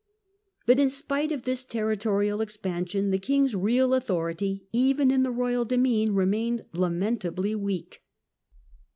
But in spite of this territorial expansion, the king's real autho Irity, even in the royal demesne, remained lamentably weak.